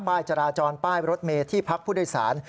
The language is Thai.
จราจรป้ายรถเมย์ที่พักผู้โดยสาร